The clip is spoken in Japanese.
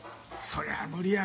そりゃ無理やわ。